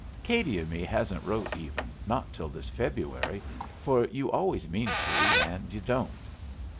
Katie and me hasn't wrote even, not till this February, for you always mean to and you don't.